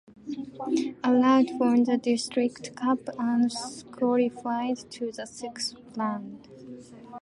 Arad won the district cup and qualified to the sixth round.